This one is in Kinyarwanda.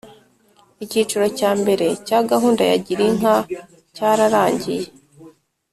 Icyiciro cya mbere cya gahunda ya gira inka cyararangiye